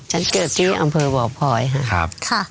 ฉันเกิดที่อำเภอบ่อพลอยค่ะ